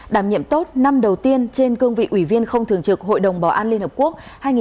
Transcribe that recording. đảm nhiệm tốt năm đầu tiên trên cương vị ủy viên không thường trực hội đồng bảo an liên hợp quốc hai nghìn hai mươi hai nghìn hai mươi một